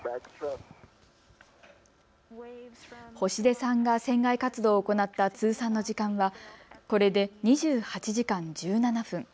星出さんが船外活動を行った通算の時間はこれで２８時間１７分。